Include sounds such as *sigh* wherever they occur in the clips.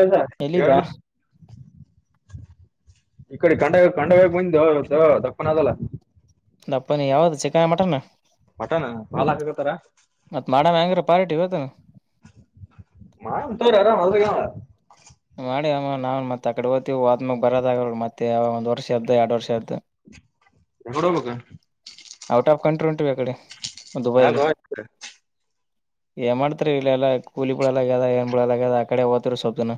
ಅದ ಹೇಳ ಎಲ್ಲಿದ್ಯಾ ಈ ಕಡೆ ಕಂಡ ಕಂಡವಾಗ ಮುಂದೆ ದಪ್ಪನ ಅದಲ್ಲ ದಪ್ಪನ ಯಾವ್ದ ಚಿಕನ್ ಮಟನ್ ಪಟಣ ಹಾ ಹಾಕಕತ್ತಾರ ಮತ್ ಮಾಡಮ್ ಹೆಂಗ್ರ ಪಾರ್ಟಿ ಇವತ್ತು ಮಾಂತರ ಯಾರ ನ ಮಾಡಿ ಅಮ್ಮ ನಾವು ಮತ್ತತ್ ಆಕಡೆ ಹಓ್ತೀವಿ ವ್ಮಾಗ ಬರೋದಾಗ ಮತ್ತೆ ಯಾವ ಒಂದ್ ವರ್ಷದ್ದ ಎರಡು ವರ್ಷದ್ದು ಎಡಬಕ ಔಟ್ ಆಫ್ ಕಂಟ್ರಿ ಉಂಟವಿ ಯಕಡೆ ಹೌ ಏನ್ ಮಾಡ್ತರಿ ಇಲ್ಲ ಎಲ್ಲಾ ಕೂಲಿ ಬಿಳಲಗ್ಯದ ಏನ್ ಬಿಳಲಾಗ್ಯದ ಆ ಕಡೆ ಹೋತ್ರು ಸಬ್ದನ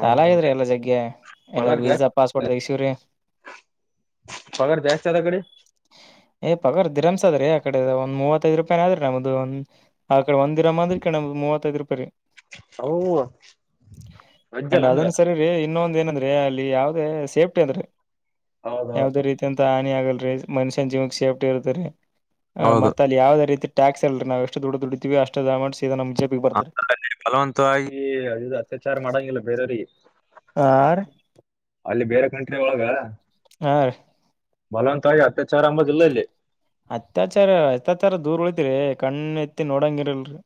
ಸಾಲ ಇದ್ರಿ ಎಲ್ಲಾ ಜಗ್ಗೆ ಎಲ್ಲ ಪಗಾರ ವೀಸಾ ಜಾಸ್ತಿ ಪಾಸ್ಪೋರ್ಟ್ ತೆಗಸಿವ್ರಿ ಪಗಾರ ಜಸ್ತ ಅದ ಕಡೆ ಏ್ ಪಗಾರ್ ದರಮ್ಸ್ ಅದ್ರೀ ಆಕಡೆ ಒಂದ್ ಮೂವತ್ತೈದು ರೂಪಾಯ ಆದ್ರಿ ನಮ್ದು ಒಂದ ಆ ಕಡೆ ಒಂದ್ಿರಮ್ ಅ್ರ ಕ ನ ಮೂವತ್ತೈದು ರೂಪಾಯಿ ರೀ ಅವು ಅಂಡ್ ಅಜ್ಜಲ್ಲ ಅಂದ್ರ ಅದನ್ನು ಸರಿ ರೀ ಇನ್ನೊಂದು ಏನಂದ್ರೆ ಅಲ್ಲಿ ಯಾವದೇ ಸೇಫ್ಟಿ ಅಂದ್ರೆ ಹೌದೌದು ಯಾವದೇ ರೀತಿ ಅಂತ ಹಾನಿ ಆಗಲ್ರಿ ಮನುಷ್ಯನ್ ಜೀಮಕ್ ಸೇಫ್ಟಿ ಇರ್ತಾರೆ ಹೌದು ಮತ್ತ ಅಲ್ಲಿ ಯಾವದ ರೀತಿ ಟ್ಯಾಸ್ಲ್ರಿ ನಾಷ್ಟ ದಡ್ಡ ದುಡಿತೀ ಅಷ್ಟ ಅಮಂಟ್ ಬಫಲವಂತವಾಗಿ ಅದು ಅತ್ಯಾಚಾರ ಮಾಡಂಗಿಲ್ಲ ಬೇರೆಯವರಿಗೆ ಆ ನಂಟ್ರೆ ಒಳಗ ಹಾ ರೀ ಮಲವಂತ ಹಾಗೆ ಅತ್ಯಾಚಾರ ಅಂಬದಿಲ್ಲ ಇಲ್ಲಿ ರ ಕಣ್ಣ ಎತ್ತಿ ನೋಡಂಗಿರಲ್ರಿ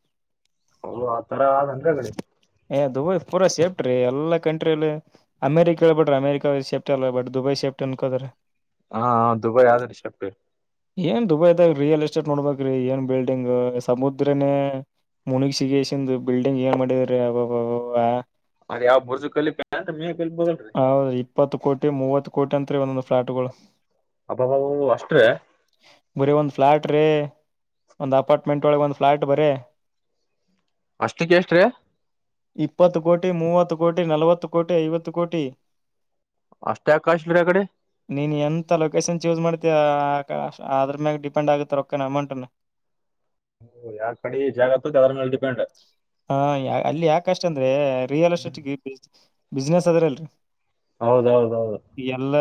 ಅವು ಆ ತರ ಆದಂದ್ರ ಕಡೆ ಎ ದುಬೈ ಪೂರಸ ಬ್ರಿ ಎಲ್ಲ ಕಂಟ್ರಿ ಅಲ್ಲಿ ಅಮೇರಿಕ ಹೇಳ್ಬಡ್ರಿ ಅಮೇರಿಕ ಸೇಫ್ಟಿ ಅಲ್ಲ ಬಟ್ ದುಬೈ ಸೇಫ್ಟಿ ಅನ್ಕೋದ್ರಿ ಹಾ ದುಬೈ ಆದ್ರಿ ಶೆಫ್ತಿ ಏನ್ ದುಬೈದ ರಿಯಲ್ ಎಸ್ಟೇಟ್ ನೋಡ್ಬ್ರಿ ಏನ್ ಬಿಲ್ಡಿಂಗ್ ಸಮುದ್ರನೇ ಮುನಗ್ ಸಿಗಸಂದು ಬಿಲ್ಡಿಂಗ್ ಏನ್ ಮಾಡಿದ್ರ ಅದ್ ಯಾವ ಬುರ್ಜು ಕಲಿ ಪ್ಯಾಂಟ್ ಮೇ ಕಲಿಬೋದಲ್ರಿ ಹ್ರ ಇಪ್ಪತ್ತು ಕೋಟಿ ಮೂವತ್ತು ಕೋಟಿ ಅಂತ ಅತ್ತ ಬಂದು ್ಲಾಟಗಳು ಅಬ್ಬಾವವು ಅಷ್ಟ ಬರ ಒಂದ್ ಫ್ಲಾಟ್ ರೀ ಒಂದ್ ಅಪಾರ್ಟ್ಮೆಂಟ್ ಒಳಗೆ ಒಂದ್ ಫ್ಲಾಟ್ ಬರ ಅಷ್ಟಕ್ಕೆ ಎಷ್ಟ್ರಿ ಇಪ್ಪತ್ತು ಕೋಟಿ ಮೂವತ್ತು ಕೋಟಿ ನಲವತ್ತು ಕೋಟಿ ಐವತ್ತು ಕೋಟಿ ಅಷ್ಟೇ ಕಾಸ್ಟ್ಲಿ ಆ ಕಡೆ ನೀನ್ ಎಂತ ಲೊಕೇಶನ್ ಚೂಸ್ ಮಾಡ್ತೀಯ ಆದ್ರ ಮೇಲೆ ಡಿಪೆಂಡ್ ಆಗುತ್ತಾರೆ ಒನೆ ಅಮೌಂಟ್ ಯಾರ್ ಕಡೆ ಜಾಗತ್ತ್ ಅವ್ರ ಮೇಲ್ ಡಿಪೆಂಡ್ ಹಾ ಯ ಅಲ್ಲಿ ಯಾಕ ಅಷ್ಟ ಅಂದ್ರೆ ರಿಯಲ್ ಎಸ್ಟೇಟ್ಗೆ ಬಿಸ್ಿನೆಸ್ ಅದ್ರಲ್ರಿ ಹೌದೌದೌದು ಈ ಎಲ್ಲಾ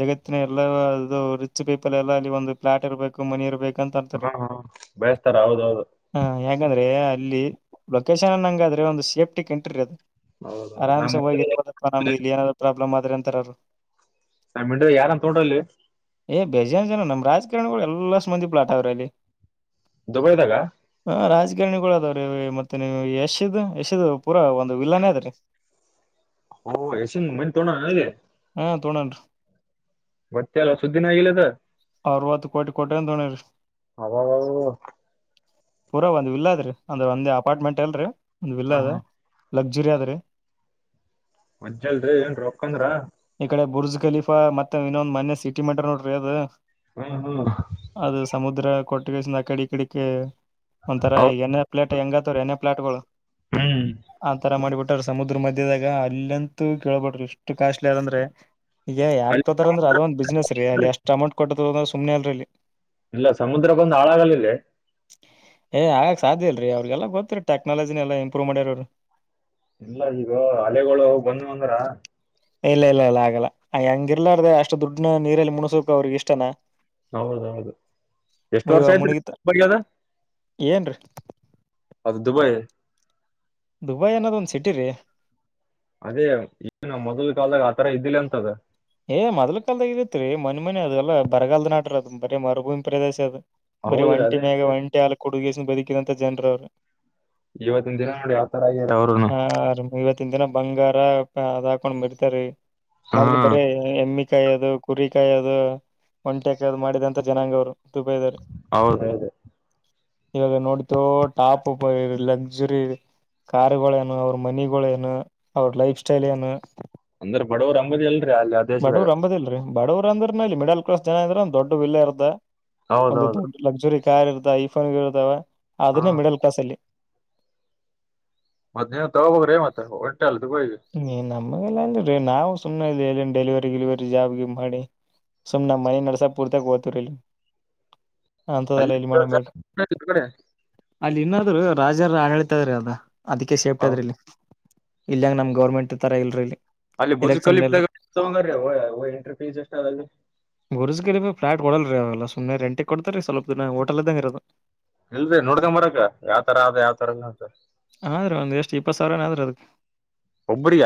ಜಗತ್ತಿನ ಎಲ್ಲ ಅದು ರಿಚ್ ಪೀಪಲ್ ಎಲ್ಲ ಅಲ್ಲಿ ಒಂದು ಪ್ಲಾಟ್ ಇರಬೇಕು ಮನಿ ಇರ್ಬೇಕು ಹಾ ಹಾ ಬೆಳೆಸ್ತಾರ ಹೌದೌದು ಯಾಂದ್ರೆ ಅಲ್ಲಿ ಲೊಕಾ ಂಗ ಅ್ರ ಒಂದು ಸೇಫ್ಟಿ ಕ ಎಂಟ್ರಿ ಅದು ಹೌದೌದು ನಮ್ ಆರಾಮ್ಸೆ ಇಂಡಿಯಾ- ಹೋಗಿರ್ಬೋದವಾ ನಮ್ದು ಇಲ್ಲಿ ಏನಾದ್ರು ಪ್ರಾಬ್ಲಮ್ ಆದ್ರೆ ಅಂತಾರರು ಸ ಮಿಂಡ ಯಾರಂತ ಡ್ರಲ್ಲಿ ಬೇಜಾರ ಜನ ನಮ್ ರಾಜಕಾರಣಿಗಳು ಎಲ್ಲ ಸು ಮಂದಿ ಪ್ಲಾಟ್ ಅವ್ರೆ ಅಲ್ಲಿ ದುಬೈದಾಗ ಹ ರಾಜಕಾರಣಿಗಳ ಅದಾವ್ರೀ ಮತ್ತೆ ನೀವು ಯಶಿದ್ ಎಶಿದ ಪೂರಾ ಒಂದು್ ವಿಲ್ಲಾನೇ ಅದೀ ಹ ಸಿ ಮುಮೆಟ್ ತೋ ನ ನಗೆ ತಡರ್ ಬತ್ತೆಲ್ಲ ಸುದ್ದಿಿನಾಗಿಲ್ಲದ ಅರವತ್ತು ಕೋಟಿ ಕೊಟ ಅಂತ ತೋಣಿ ರರಿ ಅವಾಗವು ಪೂರಾ ಒಂದ್ ವಿಲ್ಲ ಅದ್ರೀ ಅಂದ್ರೆ ಒಂದ್ ಅಪಾರ್ಟ್ಮೆಂಟ್ ಎಲ್ರಿ ಒಂದ್ ವಿಲ್ಲ ಹಾ ಅದ ಹಾ ಲಗ್ಜುರಿ ಅಧಾರಿ ಮಜ್ಜಲ್ರರಿ ಏನ್ೀ ಒಕ್ಕಂದ್ರ ಈ ಕಡೆ ಬುರ್ಜ್ ಖಲೀಫಾ ಮತ್ತೆ ಇನ್ನೊಂದ್ ಮನೆ ಸಿಟಿ ಮಂಟ ನೋಡ್ರಿ ಅದು ಹ್ಮ್ ಹ್ಮ್ ಅದು ಸಮುದ್ರ ಕೊಟ್ಟ ಬಸ ಅ ಕಡೆ ಇ ಕಡೆಕ ಒಂಥರ ಅವ್- ಈಗ ಎಣೆ ಪ್ಲೇಟ್ ಹೆಂಗತ್ವ್ರ ಎಣ್ಣೇ ಪ್ಲಾಟ್ಗಳು ಹ್ಮ್ ಆಂತರ ಮಾಡಿಬಿಟ್ಟ ಸಮುದ್ರ ಮಧ್ಯದಾಗ ಅಲ್ಲಂತೂ ಕೇಳ್ಬಡ್ರರು ಇಷ್ಟು ಕಾಸ್ಟ್ಲಿ ಅದಂದ್ರೆ ಈಗ ಯಾಕ ಅಲ್ಲಿ ತೋತಾರ ಅಂದ್ರೆ ಅದೊಂದ್ ಬಿಸ್ನೆಸ್ ರೀ ಅಲ್ಲಿ ಅಷ್ಟ್ ೊ ಸುಮನಾರಲ್ಲಿ ಇಲ್ಲ ಸಮುದ್ರಕ್ಕೊಂದು ಹಾಳಾಗಲಿಲ್ಲ ಏ ಆಗಕ್ ಸಾಧ್ಯ ಇಲ್ರರಿ ಅವ್ರಿಗೆಲ್ಲ ಗೊತ್ತರಿ ಟೆಕ್ನಾಲಜಿನ ಎಲ್ಲಾ ಇಂಪ್ರೂವ್ ಮಾಡ್ಯರ ಅವರು ಎಲ್ಲ ಈಗ ಹಲೆಗಳು ಬಂದ ಅಂದ್ರ ಇಲ್ಲ ಇಲ್ಲ ಇಲ್ಲ ಆಗಲ್ಲ ಹಂಗಿರ್ಲಾರ್ದ ಅಷ್ಟು ದುಡ್ನ ನೀರಲ್ಲಿ ಮುಣಸಕ ಅವ್ರಿಗೆ ಇಷ್ಟನ ಹೌದೌದು ಎಷ್ಟು ವರ್ಷ ಆಯತ್ರಿ ಬದ ಏನ್ರಿ ಅದು ದುಬೈ ದುಬೈ ಅನ್ನೋದೊಂದು ಸಿಟಿ ರೀ ಅದೇ ನು ಮೊದ್ ಕಾಲದಾಗ ಆತರ ಇದ್ದಿಲ್ಲ ಅಂತದ ಏ ಮೊದಲು ಕಾಲಲ್ದ ಇಐತ್ರಿ ಮನ್ ಮನೆ ಅದಲ್ಲ ಬರಗಾಲದ ನಟರ್ ಅದ್ ಬರ ಮರುಭೂಮಿ ಪ್ರದೇಶ ಅದು ಬರೀ ಹೌದ್ರಿ ಒಂಟಿ ಅದೇ ಮೇಗ ಅಂತ ಒಂಟಿ ಹಾಲ ಕೊಡುಗಸ ಬದುಕಿದಂತ ಜನ್ರ ಅವ್ರರು ಇವತ್ತಿನ ದಿನ ನೋಡಿ ಯಾವ ತರ ಆಗ್ಯಾರ ಅವ್ರುನು ಹಾ ಇವತ್ತಿನ ದಿನ ಬಂಗಾರ ಅದ ಹಾಕೊಂಡ್ ಬಿರ್ತಾರೀ ಹಾ ಬರೇ ಎಮ್ಮಿಕಾಯಿ ಅದು ಕುರಿಕಾಯಿ ಅದು ಒಂಟೆಕಾಯಿ್ ಮಾಡಿದಂತ ಜನಾಂಗ ಅವ್ರು ದುಬೈದವ್ರು ಹೌದದೇ ಇವಾಗ ನೋಡ್ತು ಟಾಪ್ಪರ್ ಲಕ್ಸರಿ ಕಾರಾರ್ುಗಳೇನು ಅವ್ರ ಮನಿಗಳ ನು ಅವ್ರ ಲೈಫ್ ಸ್ಟೈಲ್ ಏನು ಅಂದ್ರ ಬಡವರು ಅಂಬದಿ ಅಲ್ರರಿ ಅಲ್ಲಿ ಆ ದೇಶದಾಗ ಬಡವರ್ ಅಂದ್ರ ಇಲ್ಲಿ ಮಿಡಲ್ ಕ್ಲಾಸ್ ಜನ ಅಂದ್ರೆಂದಂದು ದೊಡ್ಡ ವಿಿಲ್ಲ ಇರ್ದ ಒಂದು ಹೌದೌದು ದೊಡ್ಡ ಲಕ್ಸುರಿ ಕಾರ್ ಇರ್ದ ಐಫೋನ್ ಇರ್ದಾವ ಹಾ ಅದನ್ನೇ ಮಿಡಲ್ ಕ್ಲಾಸ್ ಅಲ್ಲಿ ಮತ್ತ ನೀವ್ ತಗೋಬೋರೇ ಮತ್ತ ಒ ನೀ ನಮಗೆಲ್ಲಾ ಅಂದೀ ನಾವು ಸುಮ್ಮ್ನೆ ಇ ಎಲ್ಲಿ ಡೆಲಿವರಿ ಗಿಲಿವರಿ ಜಾಬ್ಗೆ ಮಾಡಿ ಸುಮ ನ ಮನೆ ನರಸಾಪುರ್ ತಕ್ ವತುರಲಿ ಹಂತದಲ್ಲ ಅಲ್ಲಿ ಇಲ್ಲಿ ಮಾಡಬೇಡ ಕಡೆ ಅಲ್ಲಿ ರಾಜಾರ ಆಳತದ್ರೀ ಅದ ಅದಕ್ಕೆ ಸೇಪ್ಟದ್ರ ಇಲ್ಲಿ ಇಲ್ಯಂಗ ನಮ ಗೌರ್ಮೆಂಟ್ ಥರ ಇಲ್ರಿಲ್ಲಿ ಅಲ್ಲಿ ಬುರ್ಜು ಕ ಎಂಟ್ರಷ್ಟ ಅ ಗುರ್್ಗಿ ಬಿ ್ಲಾಟ್ ಕೊಡಲ್ರಿ ಅವೆಲ್ಲ ಸುಮ್ಮನೆ ರಂಟ್ ಕೊಡ್ತ ರೀ ಸ್ವಲ್ಪ ದಿನ ಹೋಟೆಲ್ ಇದ್ದಂಗ ಇರದು ಇಲ್ದ ನೋಡ್ಕ ಮರಕ್ಕ ಯಾವ್ ತರ ಆದ ಯಾವ್ತರ ಅಂತ ಆದ್ರೀ ಒಂದ್ ಎಷ್ಟು ಇಪ್ಪತ್ ಸಾವಿರನ ಆದ್ರಿ ಅದಕ್ ಒಬ್ರಿಗ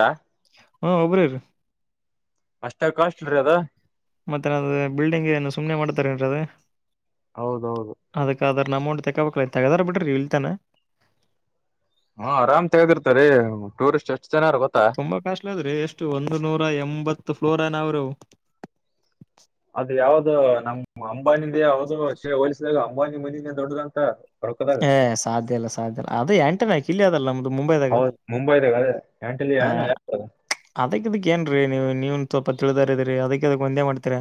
ಹಾ ಒಬ್ರ ರ ಅಷ್ಟ ಕಾಸ್ಟ್ ಬಿ್ರಿ ಅದ ಮತ್ತೆ ನದು ಬಿಲ್ಡಿಂಗ್ ಏನು ಸುಮ್ಮನೆ ಮಾಡ್ತಾರ ಏನ್ರ ಅದು ಹೌದೌದು ಅಮೌಂಟ್ ತೆಗೋಬಬೇಕಕ್ ತಗದಾರ ಬಿಟ್ರಿ ಇಳ್ತಾನ ಹಾ ಆರಾಮ್ ತೆಗಿರ್ತಾರೆ ಟೂರಿಸ್ಟ್ ಎಷ್ಟ ತುಂಬಾ ಕಾಸ್ಟ್ಲಿ ಅದ್ರೀ ಎಷ್ಟು ಒಂದ ನೂರ ಎಂಬತ್ ಫ್ಲೋರ್ ನರ ಅದ ಯಾವ್ದ ನಮ ಅಂಬಾನಿಿಂದ ಯಾವ್ದ ಶೇ ಹೋಲಿಸಿದಾಗ ಅಂಬಾನಿ ಮನಿನ ದೊಡ್ಡದಂತ ರೊಕ್ಕದಾಗ ಏ ಸಾಧ್ಯ ಇಲ್ಲ ಸಾಧ್ಯ ಅಲ್ಲ ಅದೇ ಎಂಟನ ಕ ಇಲ್ಲಿ ಅದಲ್ಲ ನಮ್ದು ಮುಂಬೈದಾಗ ಹೌದ್ ಮುಂಬೈದಾಗ ಅದೇ ಆ *inaudible* ಅದಕ್ ಅದಕ್ ಏನ್ರೀ ನೀವು ನೀವನ್ ಸ್ವಲ್ಪ ತಿಳಿದಾರಿದ್ರರಿ ಅದಕ್ಕೆ ಅದಕ್ ಒಂದೇ ಮಾಡ್ತೀರ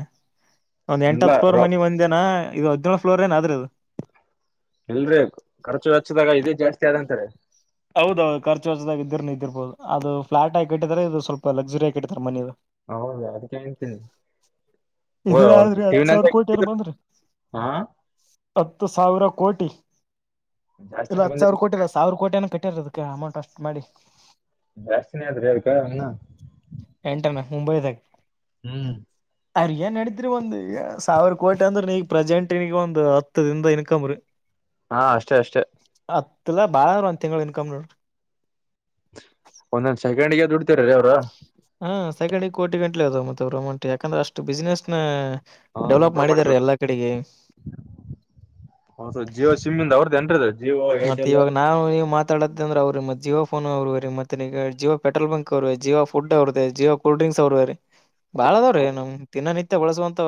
ಒಂದ್ ಎಂಟ ಇಲ್ಲ ಹತ್ ಫ್ಲೋರ್ ರೊ ಮನಿ ಒಂದೇನಾ ಇದು ಹದ್ಿನೇಳು ಫ್ಲೋರ್ ಏನ ಆದ್ರೂ ಅದು ಇಲ್ರೀ ಖರ್ಚು ಚದಾಗ ಇದೇ ಜಾಸ್ತಿ ಆದಂತಾರೆ ಹೌದೌದು ಖರ್ಚುರ್ಚಾಗ ಇದರು ಇದ್ದರ್ಬೋದು ಅದು ಫ್ಲಾಟ್ ಆಾಿಟ್ಟಿದಿದ್ದಾರೆ ಇದು ಸ್ವಲ್ಪ ಲಸುರಿಯಾಿಟ್ಟಾರೆ ಮನದು ಹೌದಾ ಅದಕ್ಕೆೇಳ್ತೀನಿ ಇದ್ರ ಆದ್ರಿ ಹತ್ ಸಾವಿರ ಕೋಟಿ ಏನ ಬಂದ್ರಿ ಹಾ ಹತ್ತು ಸಾವಿರ ಕೋಟಿ ಇಲ್ಲ ಜಾಸ್ತಿನೇ ಹತ್ತು ಬಂದ ಸಾವಿರ ಕೋಟಿ ಇಲ್ಲ ಸಾವಿರ ಕೋಟಿ ಕಟ್ಟ ಇರೋದಕ್ಕೆ ಅಮೌಂಟ್ ಅಷ್ಟು ಮಾಡಿ ದಶಿನಿ ಆದ್ರಕ್ಣ ಎಂಟರ್ನ ಮುಂಬೈ ತಾಗ ಹ್ಮ್ ಅರಿ ಏನ್ ನಡತ್ರಿೀ ಒಂದ್ ಸಾವಿರ ಕೋಟಿ ಅಂದ್ರ ನೀಗ ಪ್ರೆಸೆಂಟ್ಗ ಒಂದು್ ಹತ್ತು ದ ಇನ್ಕಮ ರೀ ಹಾ ಅಷ್ಟೇ ಅಷ್ಟೆ ಇಲ್ಲ ಬಾರಾರಂತ ತಿಂಗಳು ಇನ್ಕಮ್ ಒಂದೊಂದ್ ಸೆಕೆಂಡ್ಿಗೆ ದುಡ್ತಿರ ರೀ ಅವ್ರ ಹಾ ಸೆಕಂಡಿಗೆ ಕೋಿ ಗಂಟ್ಲೆ ಅದಾವ ಮತ್ತೆ ಅವರು ಅಮಂಟ್ ಯಾಕಂದ್ರೆ ಅಷ್ಟು ಬಿಸಿನೆಸ್ ನ ಹಾ ಡೆವಲಪ್ ಇಂಪ್ರೂವ್ ಮಾಡಿದ್ರು ಮಾಡಿದಾರೀ ಎಲ್ಲಾ ಕಡೆಗೆ ಹೌದು ಜಿಯೋ ಸಿಮ್ ಇಂದ ಅವ್ರದ್ದು ಏನ್ರಿ ಅದು ಜಿಯೋ ಮತ್ತೆ ಏರ್ಟೆಲ್ ಇವಾಗ ನಾವು ನೀವು ಮ ಅ್ರೆ್ರ ಮ ಜಿಯೋಫೋ ಅವರು ರೀತ್ತ ಜಿಯ ಪೆ್ರೋಲ್ ಬಂಕ್ ಅವರು ಜಿಯೋ ಫುಡ್ ಅವ್ರದ ಜಿಯೋ ಕೋ ಡ್ರಿಂಕ್ ಸ ಅವರ್ವಾರ ಬಾಳ ಅದಾವ್ರೀ ನಮ್ ದಿನೋ ನಿತ್ಯ ಬಳಸುವಂತ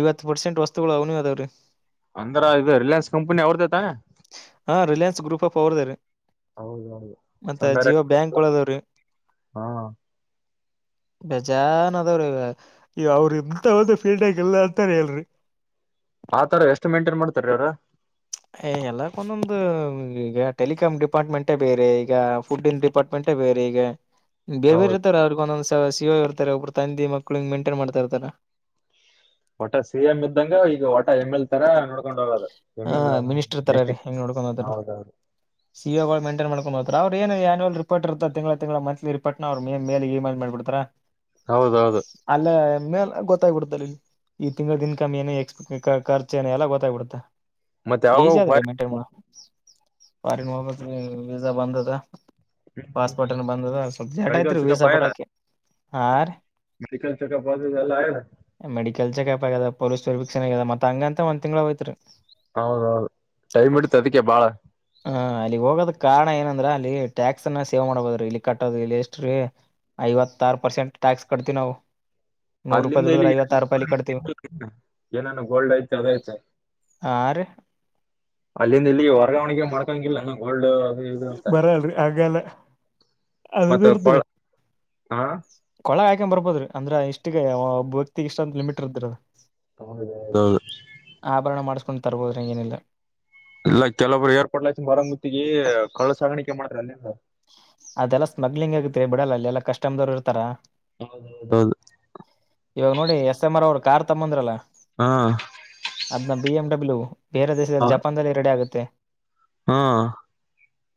ಐವತ್ತು ಪರ್ಸೆಂಟ್ ವಸ್ತುಗಳು ಅವ್ನ ಅದಾವ್ರೀ ಅಂದ್ರ ಇದು ರಿಲಯನ್ಸ್ ಕಂಪನಿ ಅವ್ರದತ ಹಾ ರಿಲಯನ್ಸ್ ಗ್ರೂಪ್ ಆಫ್ ಅವ್ರದ ರೀ ಹೌದ ಹೌದು ಸಂಡರೆ ಬ್ಯಾಂಕ್ ಗಳು ಅದಾವ್ರಿ ಹಾ ಬೇಜನ್ ಅದಾವ್ರೀ ಈ ಅವ್ರ ಇಂಂತವ್ದ ಫೀಡ್ಬ್ಯಾಕ್ ಇಲ್ಲ ಅಂತಾನ ಹೇಳಲ್ರಿ ಆತರ ಎಷ್ಟು ಮೇಂಟೇನ್ ಮಾಡ್ತಾರೀ ಅವವ್ರ ಎಲ್ಲಕ್ಕ ಒಂದೊಂದು್ ಈಗ ಟೆಲಿಕಾಮ್ ಡಿಪಾರ್ಟ್ಮೆಂಟೇ ಬೇರೆ ಈಗ ಫುಡ್ ಇನ್ ಡಿಪಾರ್ಟ್ಮೆಂಟ್ ಬೇರೆ ಈಗ ಬೇರ್ ಹೌದು ಬೇರೆ ಇರ್ತಾರ ಅವ್ರಗ ಒಂದೊಂದ ಸಿ ಇರ್ತಾರೆ ಒಬ್ಬರು ತಂದಿ ಮಕ್ಳಿಗೆ ಮೇಂಟೈನ್ ಮಾಡ್ತಾ ಇರ್ತಾರ ಒಟ ಸಿ ಎಂ ಇದ್ದಂಗ ಈಗ ಒಟ ಎಮ್ ಎಲ್ ತರ ನೋಡ್ಕೊಂಡ ಹೋಗೋದ ಹ ಮಿನಿಸ್ಟರ್ ತರ ರೀ ಹೆಂಗ್ ನೋಡ್ಕೊಂಡ ಹ ಹೌದೌದು ಸಿಒಗಳು ಮಂಟೈನ್ ಮಾಡ್ಕೊಂಡ ಹ ಸ ಅವ್ರ ಏನು್ಯನ್ಯಲ್ ರಿಪರ್ ಇರ್ತ ತಿಗಳ ತಿಂ ಮಂಲಿ ರಿೋಟ್ನ ಅವ್ ಮೇಲೆ ಇಮೇಲ್ ಮಾಡಿಬಡ್ತಾ ಹೌದೌದು ಅಲ್ಲ ಮೇಲೆ ಗೊತ್ತಾಗ್ಬಿಡುತ್ತ ಅ ಇಲ್ಲಿ ಈ ತಿಂಗಳ್ ಇನ್ಕಮ್ ಏ ಎಕ್ಸ್ಪೆ ಖರ್ಚ ಏ ಎಲ್ಲ ಗೊತ್ತಾಗ್ಬಿಡುತ್ತಾ ಮತ್ತೆ ಯಾವಾಗ ಈಜಾದ್ರಿ ಮೆಟ ಫನ್ ಹ ವಜಾ ಬಂದ್ ಅದ ಪಾಸ್ಪೋರ್ಟ್ ಏನ್ನು ಬಂದದ ಸ್ವಲ್ಪ ಜಟ ಮೆಡಿಕಲ್ ಆಯತ್ರಿ ಚೆಕಪ್ ವೀಸಾ ಆಯದ ಪಟೋಕ ಹಾ ರೀ ಮೆಡಿಕಲ್ ಚೆಕಪ್ ಅದು ಇದೆಲ್ಲ ಆಯದ ಮೆಡಿಕಲ್ ಚ ಕಪ ಪ ಸರ್ಿಕ್ಷೆದ ಮತ್ತತ್ ಹಂಗ ಅಂತ ಒಂದ್ ತಿಂಗಳ ಹೋಯತ್ರಿ ಹೌದೌದು ಟೈಮ್ ಇಡ್ತ ಅದಕ್ಕೆ ಬಾಳ ಹ ಅಲ್ಲಿ ಹೋಗೋದ ಕಾರಣ ಏನಂದ್ರ ಅಲ್ಲಿ ಟ್ಯಾಕ್ಸ್ ಅನ್ನ ಸೇವೆ ಮಾಡ್ಬೋದ್ರೀ ಇಲ್ಲಿ ಕಟ್ಟದ ಇಲ್ಲಿ ಎಷ್ಟ್ರೀ ಐವತ್ತಾರು ಪರ್ಸೆಂಟ್ ಟ್ಯಾಕ್ಸ್ ಕಡ್ತಿೀವಿ ನಾವು ನೂರು ರೂಪಾಯಿ ಅಲ್ಲಿಂದ ಇಲ್ಲಿ ದುಡಿದ್ರ ಐವತ್ತಾರು ರೂಪಾಯಿ ಇಲ್ಲಿ ಕಟ್ತೀವಿ ಏನಾನ ಗೋಲ್ಡ್ ಐ್ತಿ ಅದಐ್ತೆ ಆರು ಅಲ್ಲಿಂದ ಇಲ್ಲಿ ವರ್ಗಾವಣೆಗೆ ಮಾಡ್ಕೊಂಗಿಲ್ಲ ನ ೋಲ್ಡ್ ಬರಲ್ರರಿ ಹಾಗಲ್ಲ ಅದು ಮತ್ತೆ ಕೊಳ ಇರ್ತರಿ ಹಾ ಕೊಳಗ ಬರ್ಬೋದ್ರ ಅಂದ್ರ ಇಷ್ಟಿಗೆ ಭಕ್ತಿ ಇಷ್ಟ ಅಂತ ಲಿಮಿಟ್ ಇರ್ದರಿ ಅದು ಹೌ ೊಂಡ ತರ್ಬೋ್ರ ಏನಿಲ್ಲ ಇಲ್ಲ ಕೆಲೊಬ್ರು ಏರ್ಪೋರ್ಟ್ ಲ ಹಾಚನ್ ಬರಂಗ ಮುತ್ತಿಗೆ ಕಳ ಸಾಗಾಣಿಕೆ ಮಾಡ್ರ ಅಲ್ಲಿಂದ ಅದೆಲ್ಲಾ ಸ್ಮಗ್ಲಿಂಗ್ ಆಗತ್ರಿ ಬಿಡಲ್ಲ ಅಲ್ಲ ಎಲ್ಲ ಕಷ್ಟಮದವ್ ಇರ್ತಾರ ಹೌದೌದೌದು ಇವಾಗ ನೋಡಿ ಎಸ್ ಎಂ ಆರ್ ಅವರು ಕಾರ್ ತಂಬಂದ್ರಲ್ಲ ಹಾ ಅದ್ನ್ನ ಬಿ ಎಮ ಡಬ್ಲ್ಯೂ ಬೇರೆ ದೇಶದಲ್ಲಿ ಜಪಾನ್ದಲ್ಲಿ ರೆಡಿ ಆಗುತ್ತೆ ಹಾ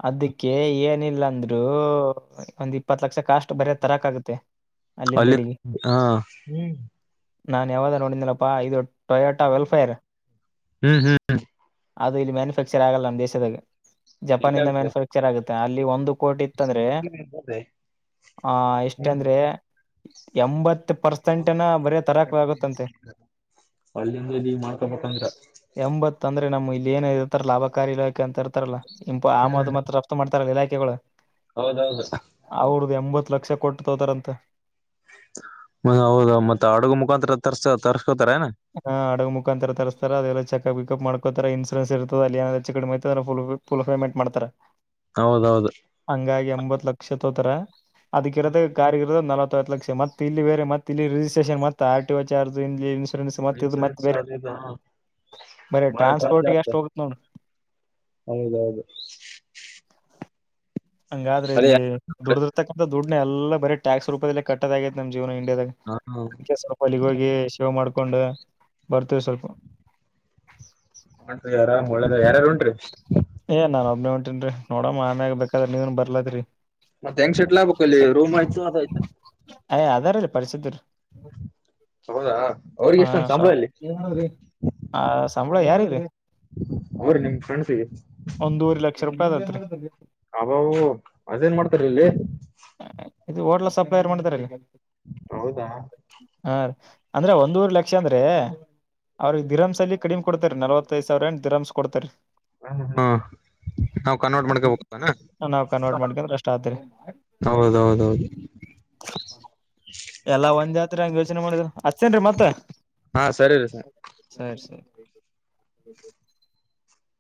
ಅದಕ್ಕೆ ಏನಿಲ್ಲ ಅಂದ್ರೆ ಇ ಒಂದ್ ಇಪ್ಪತ್ ಲಕ್ಷಕ್ಕ ಅಷ್ಟು ಬರ ತರಕ್ ಆಗುತ್ತೆ ಅಲ್ಲಿಂದ ಅಲ್ಲಿ ಹಾ ನಾನು ಯಾವಾಗ ನೋಡಿದ್ದೀನಪ್ಪ ಇದು ಟೊಯೋಟಾ ವೆಲ್ಫೇರ್ ಹ್ಮ್ ಹ್ಮ್ ಅದು ಇಲ್ಲಿ ಮ್ಯಾನುಫ್ಯಾಕ್ಚರ್ ಆಗಲ್ಲ ನಮ್ಮ್ ದೇಶದಾಗ ಎಲ್ಲಿ ಜಪಾಾನಿಂದ ಮ್ಯಾನುಫ್ಯಾಕ್ಚರ್ ಆಗುತ್ತೆ ಅಲ್ಲಿ ಒಂದು ಕೋಟಿ ಇತ್ತಂದ್ರೆ ಆಗ್ತದೆ ಆ ಎಷ್ಟ ಹ್ಮ್ ಅಂದ್ರೆ ಎಂಬತ್ತು ಪರ್ಸೆಂಟ್ನ ಬರೇ ತರಾಕ್ ಆಗುತ್ತಂತೆ ಒಳ್ಳಿಂದ್ರ ಇದ ಈ ಮಾಡ್ಕೊಬೇಕಂದ್ರ ನಮ್ ಇ ಏ ಇರ್ತಾರೆ ಲಾಭಕಾರಿ ಇಲಾಖೆ ಅಂತ ಇರ್ತಾರಲ್ಲ ಇಪ ಹ್ಮ್ ಆಮದು ಮತ್ತ್ರ ರಫ್ತ ಮಾಡ್ತಾರಲ್ಲ ಇಲಾಖೆಗಳು ಹೌದೌದು ಅವ್ರ್ದ ಎಂಬತ್ ಲಕ್ಷ ಕೊಟ್ಟು ತೋತಾರಂತ ತರ್ಸತ ಹಾ ಹಡಗ ಮುಖಾಂತರ ತರಿಸಸ್ತಾರ ಅದೆಲ್ಲ ಚೆಕಪ್ ವಿಕಪ್ ಮಾಡ್ ಇನ್ಸೂರೆನ್ಸ್ ಇರ್ತದೆ ಅಲ್ಲಿ ಏನಾದ್ರು ಹೆಚ್ಚು ಕಡಿಮ ಅಯ್ತಂದ್ರೆ ಫುಲ್ ಪೇಮೆಂಟ್ ಮಾಡತಾರೆ ಹೌದೌದು ಹಂಗಾಗಿ ಎಂಬತ್ತು ಲಕ್ಷ ತಗೋತರ ಅದಕ್ಕಿರದ ಕಾರರಿಗಿರದ ನಲತ್ ಲಕ್ಷ ಮತ್ತೆ ಇಲ್ಲಿ ಬೇರೆ ಮತ್ತ್ ಇಲ್ಲಿ ರಿಸ್ಟ್ರೇಷನ್ ಮತ್ತ್ ಆರ್ ಟಿ ಓ ಚಾರ್ಜ್ ಇಲ್ಲಿ ಮತ್ತ್ ಮತ್ತೆ ಇನ್ಸೂರೆನ್ಸ್ ಬೇರೆ ಅದು ಇದು *inaudible* ಬರೆ ಬಾಳ ಕಾಸ್ಟ್ಲಿ ಟ್ರಾನ್ಸ್ಪೋರ್ಟ್ಗೆ ಆಗ್ತದೆ ಎಷ್ಟು ಹೋಗುತ್ತೆ ನೋಡು ಹೌದೌದು ಹಂಗಾದ್ರೆ ಅದೇ ಇಲ್ಲಿ ದುಡ್ಡಿರ್ತಾಕಂತ ದುಡ್ನೆ ಎಲ್ಲ ಬರೀ ಟ್ಯಾಕ್ಸ್ ರೂಪಾಯಿದಲ್ಲ ಕಟ್ಟದ್ ಆಗೈತಿ ನಮ್ದ ಜೀವನ ಇಂಡಿಯಾಗ *inaudible* ಹಾ ಅದಿಕೆ ಸ್ವಲ್ಪ ಅಲ್ಲಿಗೇ ಹೋಗಿ ಸೇವ್ ಮಾಡ್ ಮಾಡ್ಕೊಂಡ ಬರ್ತೀವಿ ಸ್ವಲ್ಪ *unintelligible* ಅರಾಮ್ ಒಳ್ಳೇದ ಯಾರ್ಯಾರು ಉಂಟ್ರಿ ಹೇ ನಾ ಒಬ್ನನೆ ಹೊಂಟೀನ್ರಿ ನೋಡಮ್ಮ ಆಮ್ಯಾಗ ಬೇಕಾದ್ರ ನೀವನ್ ಬರ್ಲದ್ರಿ ಮತ್ತ್ ಹೆಂಗೆ ಸೆಟ್ಲ್ ಆಗ್ಬೇಕ್ ಅಲ್ಲಿ ರೂಮ್ ಆಯ್ತು ಅದಾಯ್ತು ಪರಿಸಿದ್ಧ ಹೌದಾ ಅವ್ರಿಗೆ ಎಷ್ಟೊಂದ್ ಸಂಬಳ ಅಲ್ಲಿ ಹ ಸಂಬಳ ಯಾರ ಅವ್ರ ನಿಮ್ ಫ್ರೆಂಡ್ಸಿಗೆ ಒಂದೂರಿ ಲಕ್ಷ ರೂಪಾಯಿ ಅದತ್ ಹಬಾವು ಮದ್ೇನ್ ಮಾಡ್ತಾರ ಇಲ್ಲಿ ಇದು ಹೋಟ್ಲ ಸಪ್ಲರ್ ಮಾಡ್ತಾರ ಹೌದಾ ಹಾ ರ ಅಂದ್ರೆ ಒಂದೂವರೆ ಲಕ್ಷ ಅಂದ್ರೆ ಅವ್ರಿಗೆ ದಿರಾಂಸಲ್ಲಿ ಕಡಿಮೆ ಕೊಡ್ತಾರೆ ನಲ್ವತ್ತೈದ್ ಸಾವಿರ ದಿರಾಂಸ್ ಕೊಡ್ತರೆ ಹಾ ಹಾ ನಾವ್ ಕನ್ವರ್ಟ್ ಮಾಡ್ಕಬೇಕೇನು ನಾವ್ ಕನ್ವರ್ಟ್ ಮಾಡಕೊಂಡ್ರ ಅಷ್ಟ್ ಆತ್ರಿ ಹೌದೌದ ಹೌದು ಒಂದತ್ ಯೋಚನೆ ಮಾಡ ಅಷ್ಟತೇನ್ರಿ ಮತ್ತೆ ಹಾ ಸರಿ ರೀ ಸರ್ ಸರಿ ಸರಿ